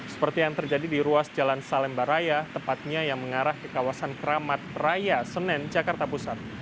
seperti yang terjadi di ruas jalan salemba raya tepatnya yang mengarah ke kawasan keramat raya senen jakarta pusat